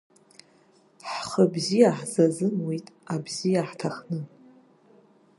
Ҳхы бзиа ҳзазымуит, абзиа ҳҭахны.